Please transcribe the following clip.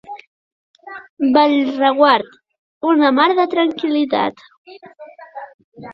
Bellreguard, una mar de tranquil·litat.